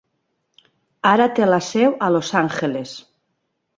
Ara té la seu a Los Angeles.